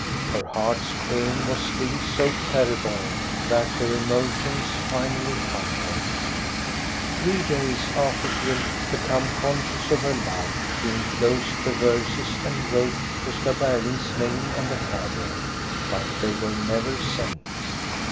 Her heart's pain was still so terrible that her emotions finally conquered. Three days after she had become conscious of her love, she enclosed the verses and wrote Gosta Berling's name on the cover. But they were never sent.